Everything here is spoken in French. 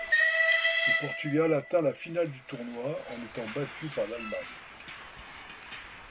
Le Portugal atteint la finale du tournoi, en étant battu par l'Allemagne.